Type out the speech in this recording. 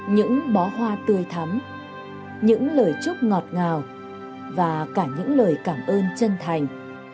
những bó hoa tươi thắm những lời chúc ngọt ngào và cả những lời cảm ơn chân thành